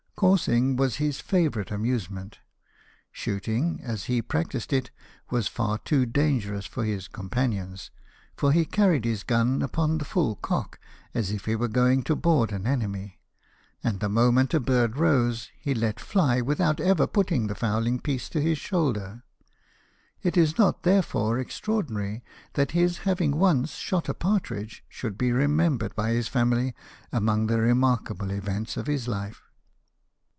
Coursing was his favourite amusement. Shooting, as he practised it, was far too dangerous for his companions ; for he carried his gun upon the full cock, as if he were going to board an enemy ; and the moment a bird rose, he let fly, with out ever putting the fowling piece to his shoulder. It is not, therefore, extraordinary, that his having once shot a partridge should be remembered by his family among the remarkable events of his life.